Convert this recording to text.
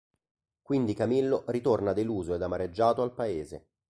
Quindi Camillo ritorna deluso ed amareggiato al paese.